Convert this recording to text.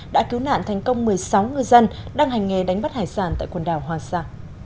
đã cứu nạn thành công một mươi sáu ngư dân đang hành nghề đánh bắt hải sản tại quần đảo hoàng sa